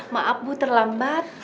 maaf bu terlambat